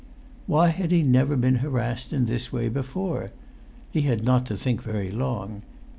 Why had he never been harassed in this way before? He had not to think very long.